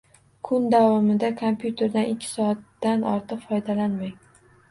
Kun davomida kompyuterdan ikki soatdan ortiq foydalanmang.